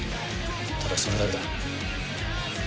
ただそれだけだ。